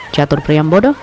jatuh priam bodoh